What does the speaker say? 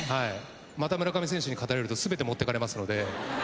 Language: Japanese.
また村上選手に勝たれると全て持っていかれますので。